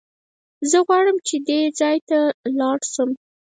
زه غواړم چې دې ځای ته لاړ شم.